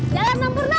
jalan nam purna